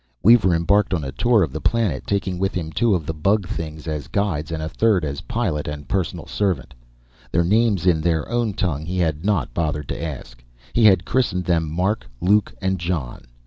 Weaver embarked on a tour of the planet, taking with him two of the bug things as guides and a third as pilot and personal servant. Their names in their own tongue he had not bothered to ask; he had christened them Mark, Luke and John.